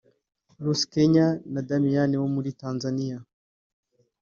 Ruth(Kenya) na Damian wo muri Tanzaniya